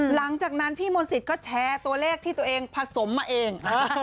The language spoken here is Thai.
หลังจากนั้นพี่มนต์สิทธิ์ก็แชร์ตัวเลขที่ตัวเองผสมมาเอง